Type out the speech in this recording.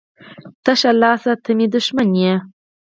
تشه لاسه ته مي دښمن يي.